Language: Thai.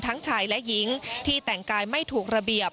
ชายและหญิงที่แต่งกายไม่ถูกระเบียบ